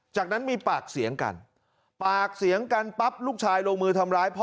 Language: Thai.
จากนั้นมีปากเสียงกันปากเสียงกันปั๊บลูกชายลงมือทำร้ายพ่อ